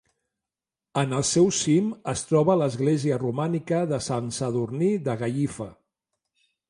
En el seu cim es troba l'església romànica de Sant Sadurní de Gallifa.